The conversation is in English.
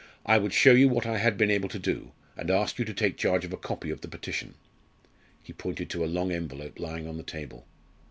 I would show you what I had been able to do, and ask you to take charge of a copy of the petition." He pointed to a long envelope lying on the table.